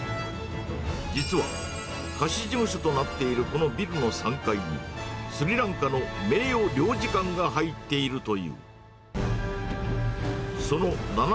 実は、貸し事務所となっているこのビルの３階に、スリランカの名誉領事館が入っているという。